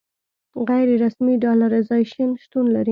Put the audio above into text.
غیر رسمي ډالرایزیشن شتون لري.